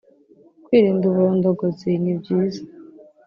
Kwirinda uburondogozi nibyiza